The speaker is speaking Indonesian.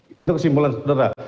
itu kesimpulan saudara